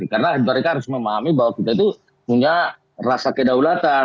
karena mereka harus memahami bahwa kita itu punya rasa kedaulatan